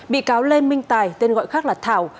bị cáo lê minh tài tên gọi khác là thảo